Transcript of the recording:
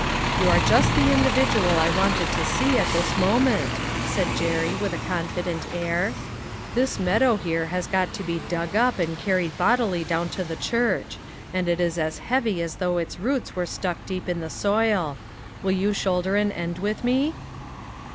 "You are just the individual I wanted to see at this moment," said Jerry with a confident air. "This meadow here has got to be dug up and carried bodily down to the church ; and it is as heavy as though its roots were struck deep in the soil. Will you shoulder an end with me